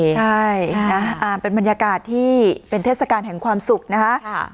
ใช่นะเป็นบรรยากาศที่เป็นเทศกาลแห่งความสุขนะคะ